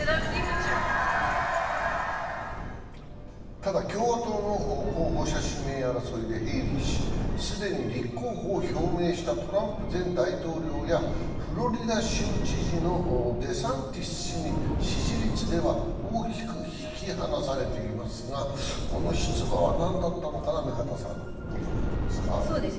ただ、共和党の候補者指名争いでヘイリー氏、既に立候補を表明したトランプ前大統領やフロリダ州知事のデサンティス氏に支持率では大きく引き離されていますが、この出馬は何だったのか目加田さんはどう考えていますか？